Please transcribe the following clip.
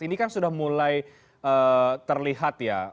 ini kan sudah mulai terlihat ya